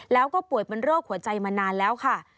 แล้วก็ป่วยเป็นโรคหัวใจมานานแล้วค่ะ